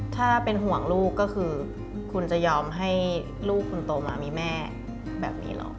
ถ้าเป็นห่วงลูกก็คือคุณจะยอมให้ลูกคุณโตมามีแม่แบบนี้เหรอ